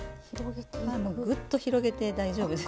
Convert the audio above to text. グッと広げて大丈夫です。